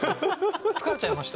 疲れちゃいましたもん。